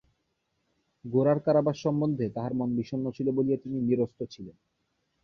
গোরার কারাবাস-সম্বন্ধে তাহার মন বিষণ্ন ছিল বলিয়া তিনি নিরস্ত ছিলেন।